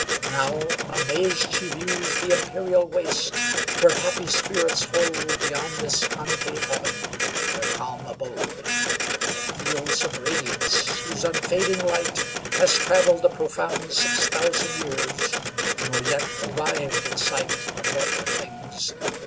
Now, amazed she views The empyreal waste, where happy spirits hold Beyond this concave heaven, their calm abode; And fields of radiance, whose unfading light Has traveled the profound six thousand years, Nor yet arrived in sight of mortal things.